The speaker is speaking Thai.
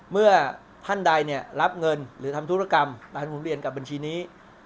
เมื่อท่านใดรับเงินหรือทำธุรกรรมตามหุ่นเวียนกับบัญชีนี้